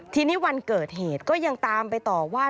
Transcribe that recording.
ทีนี้วันเกิดเหตุก็ยังตามไปต่อว่า